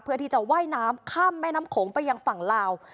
เพื่อที่จะว่ายน้ำข้ามแม่น้ำโขงไปยังฝั่งลาว